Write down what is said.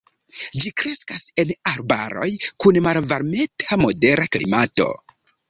Ĝi kreskas en arbaroj kun malvarmeta-modera klimato.